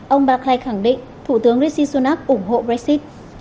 ông bakhail khẳng định thủ tướng rishi sunak ủng hộ brexit